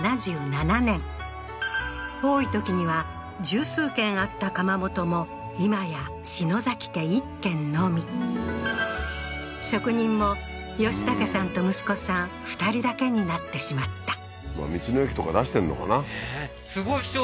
７７年多いときには十数軒あった窯元も今や篠崎家１軒のみ職人も嘉丈さんと息子さん２人だけになってしまった道の駅とか出してんのかなねえ